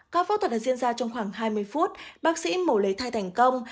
các phẫu thuật này diễn ra trong khoảng hai mươi phút bác sĩ mổ lấy thai thành công